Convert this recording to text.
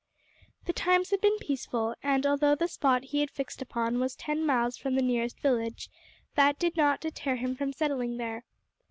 The times had been peaceful, and although the spot he had fixed upon was ten miles from the nearest village, that did not deter him from settling there.